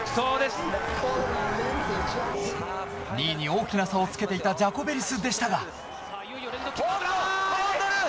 ２位に大きな差をつけていたジャコベリスでしたが。